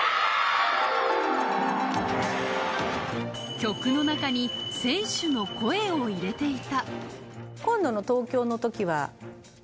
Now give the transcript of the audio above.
曲の中に選手の声を入れていた。